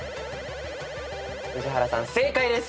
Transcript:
宇治原さん正解です。